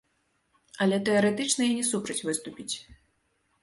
Але тэарэтычна я не супраць выступіць.